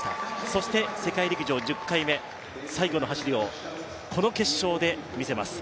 そして世界陸上１０回目、最後の走りをこの決勝で見せます。